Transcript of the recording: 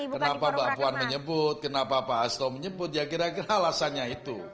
kenapa mbak puan menyebut kenapa pak hasto menyebut ya kira kira alasannya itu